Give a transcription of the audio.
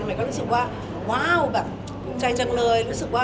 ใหม่ก็รู้สึกว่าว้าวภูมิใจจังเลย